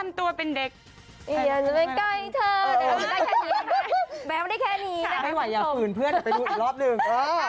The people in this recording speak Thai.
ไม่ไหวอย่าฝืนเพื่อนไปดูอีกรอบหนึ่ง